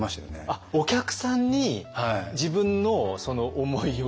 あっお客さんに自分のその思いを。